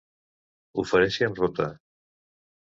Ho faré si em rota.